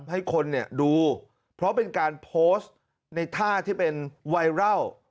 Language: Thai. ให้คนเนี่ยดูเพราะเป็นการโพสต์ในท่าที่เป็นไวรัล